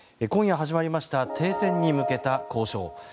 今夜始まりました停戦に向けた交渉。